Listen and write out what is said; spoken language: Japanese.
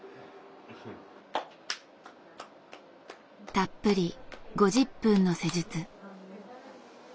たっぷり５０分の施術。